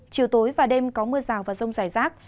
chiều tối và đêm có mưa rào và rông rải rác